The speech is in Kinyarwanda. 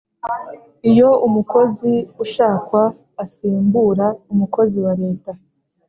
iyo umukozi ushakwa asimbura umukozi wa leta